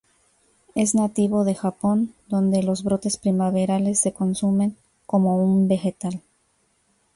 Es nativo de Japón, donde los brotes primaverales se consumen como un vegetal.